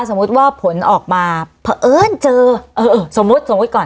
สมมุติว่าผลออกมาสมมุติก่อน